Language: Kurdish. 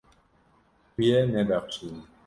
Tu yê nebexşînî.